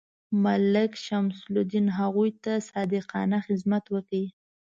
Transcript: ملک شمس الدین هغوی ته صادقانه خدمت وکړ.